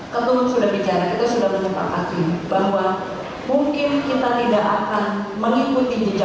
ketua sudah bicara kita sudah menyebabkan bahwa mungkin kita tidak akan mengikuti jejak mereka